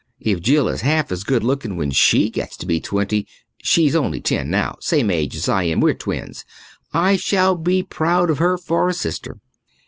If Jill is half as good looking when she gets to be twenty she's only ten now, same age as I am, we're twins I shall be proud of her for a sister.